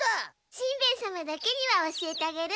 しんべヱ様だけには教えてあげる。